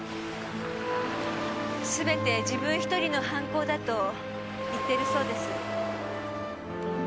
すべて自分ひとりの犯行だと言ってるそうです。